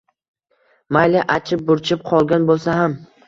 Mayli, achib-burchib qolgan bo‘lsa ham